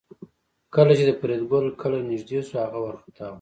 کله چې د فریدګل کلی نږدې شو هغه وارخطا و